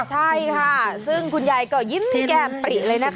ใช่ค่ะซึ่งคุณยายก็ยิ้มแก้มปริเลยนะคะ